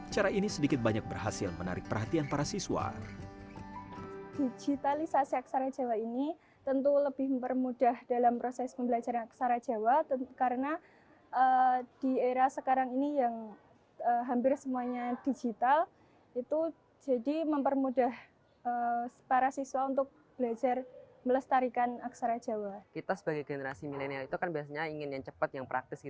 cara ini sedikit banyak berhasil menarik praksis